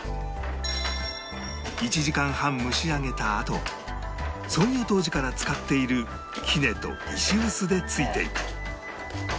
１時間半蒸し上げたあと創業当時から使っている杵と石臼でついていく